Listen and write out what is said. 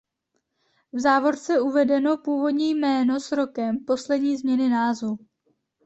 V závorce uvedeno původní jméno s rokem poslední změny názvu.